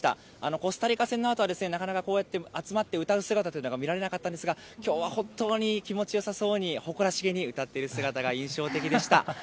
コスタリカ戦のあとは、なかなかこうやって集まって歌う姿というのが見られなかったんですが、きょうは本当に気持ちよさそうに、誇らしげに歌っている姿が印象的でした。